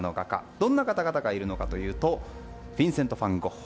どんな方々がいるのかというとフィンセント・ファン・ゴッホ